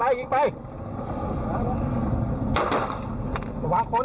ให้ไปไปก่อนเดี๋ยวไว้ก่อน